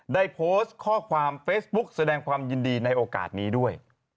ได้โพสต์ข้อความเฟซบุ๊กแสดงความยินดีในโอกาสนี้ด้วย